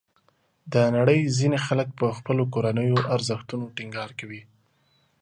د نړۍ ځینې خلک په خپلو کورنیو ارزښتونو ټینګار کوي.